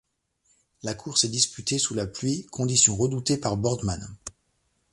La course est disputée sous la pluie, condition redoutée par Boardman.